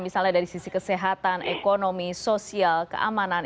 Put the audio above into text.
misalnya dari sisi kesehatan ekonomi sosial keamanan